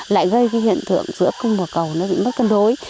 lại gây cái hiện tượng giữa cung và cầu nó bị mất cân đối